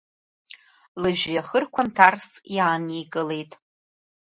Лыжәҩахырқәа нҭарс иааникылеит.